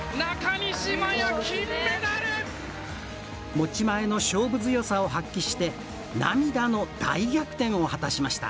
持ち前の勝負強さを発揮して涙の大逆転を果たしました。